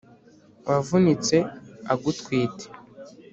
wavunitse agutwite,